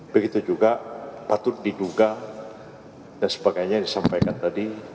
begitu juga patut diduga dan sebagainya yang disampaikan tadi